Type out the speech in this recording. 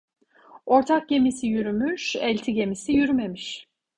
Ortak gemisi yürümüş, elti gemisi yürümemiş.